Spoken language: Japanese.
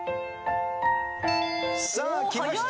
さあきました。